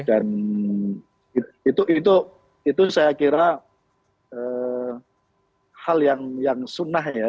dan itu saya kira hal yang sunnah ya